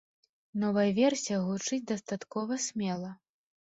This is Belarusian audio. Новая версія гучыць дастаткова смела.